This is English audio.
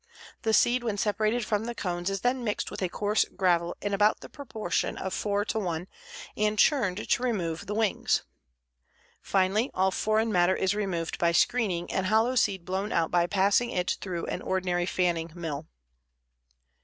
The seed when separated from the cones is then mixed with a coarse gravel in about the proportion of 4 to 1 and churned to remove the wings. Finally, all foreign matter is removed by screening and hollow seed blown out by passing it through an ordinary fanning mill.